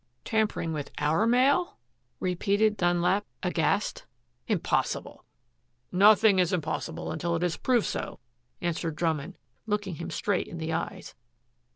"Tampering with OUR mail?" repeated Dunlap, aghast. "Impossible." "Nothing is impossible until it is proved so," answered Drummond, looking him straight in the eyes.